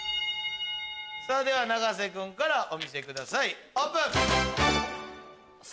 では永瀬君からお見せくださいオープン！